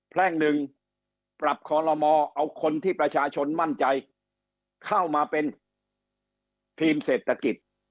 แพร่งหนึ่งปรับคอลโลมอเอาคนที่ประชาชนมั่นใจเข้ามาเป็นทีมเศรษฐกิจ